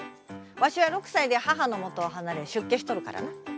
わしは６歳で母のもとを離れ出家しとるからな。